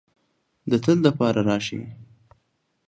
د تل د پاره راشې